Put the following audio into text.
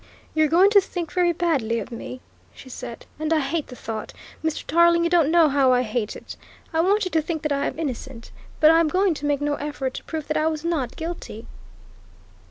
"You're going to think very badly of me," she said, "and I hate the thought, Mr. Tarling you don't know how I hate it. I want you to think that I am innocent, but I am going to make no effort to prove that I was not guilty."